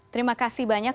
terima kasih banyak